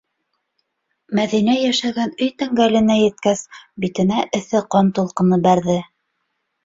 Мәҙинә йәшәгән өй тәңгәленә еткәс, битенә эҫе ҡан тулҡыны бәрҙе.